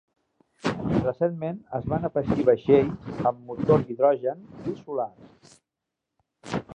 Recentment es van afegir vaixells amb motor d'hidrogen i solar.